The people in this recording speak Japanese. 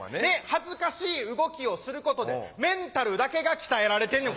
恥ずかしい動きをすることでメンタルだけが鍛えられてんねん。